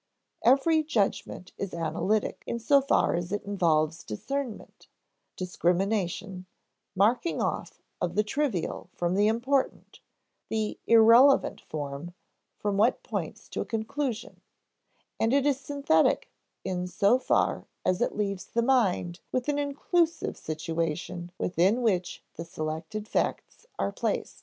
Every judgment is analytic in so far as it involves discernment, discrimination, marking off the trivial from the important, the irrelevant from what points to a conclusion; and it is synthetic in so far as it leaves the mind with an inclusive situation within which the selected facts are placed.